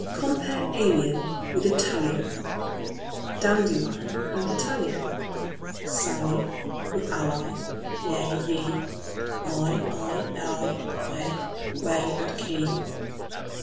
Compare alien with Italian, Dandelion with battalion, Sally with ally; yea, ye, Eye, I, ay, aye, whey, key, quay!